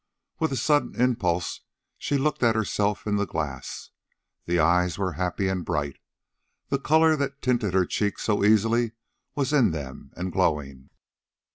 With a sudden impulse she looked at herself in the glass. The eyes were happy and bright. The color that tinted her cheeks so easily was in them and glowing.